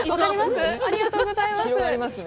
ありがとうございます。